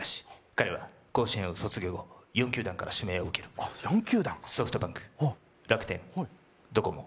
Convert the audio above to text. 彼は甲子園を卒業後４球団から指名を受けるあっ４球団からソフトバンク楽天ドコモ